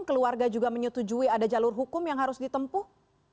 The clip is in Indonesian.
keluarga juga menyetujui ada jalur hukum yang harus ditempuh